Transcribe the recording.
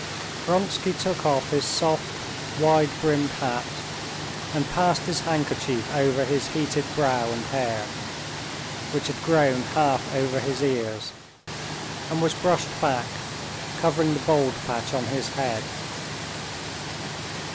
Vronsky took off his soft, wide brimmed hat and passed his handkerchief over his heated brow and hair, which had grown half over his ears, and was brushed back covering the bald patch on his head.